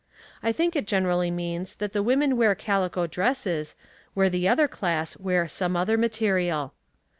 I think it generally means that the women wear calico dresses, where the other class wear some other material.